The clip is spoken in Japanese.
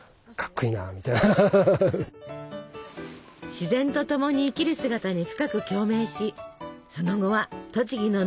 自然とともに生きる姿に深く共鳴しその後は栃木の農家へ弟子入り。